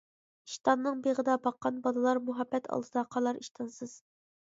ئىشتاننىڭ بېغىدا باققان بالىلار مۇھەببەت ئالدىدا قالار ئىشتانسىز.